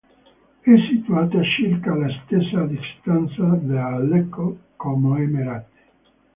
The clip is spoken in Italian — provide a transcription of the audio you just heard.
È situata circa alla stessa distanza da Lecco, Como e Merate.